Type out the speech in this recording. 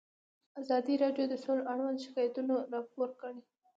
ازادي راډیو د سوله اړوند شکایتونه راپور کړي.